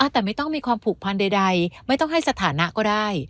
แต่ไม่ต้องมีความผูกพันใดไม่ต้องให้สถานะก็ได้